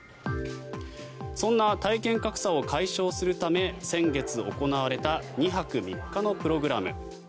そんな体験格差を解消するため先月行われた２泊３日のプログラム。